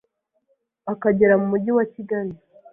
akagera mu mujyi wa Kigali